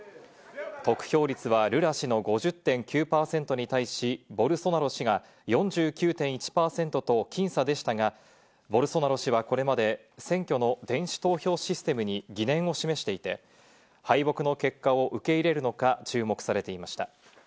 得票率はルラ氏の５０．９％に対し、ボルソナロ氏が４９．１％と僅差でしたがボルソナロ氏はこれまで選挙の電子投票システムに疑念を示していて、敗北の結果を受け入れるのか注目されていました。